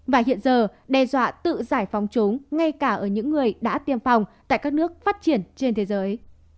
và hiện giờ đe dọa tự giải phóng chúng ngay cả ở những người đã tiêm phòng tại các nước phát triển trên thế giới